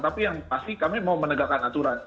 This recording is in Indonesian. tapi yang pasti kami mau menegakkan aturan